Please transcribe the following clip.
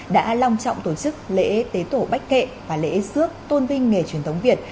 đã long trọng tổ chức lễ tế tổ bách kệ và lễ xước tôn vinh nghề truyền thống việt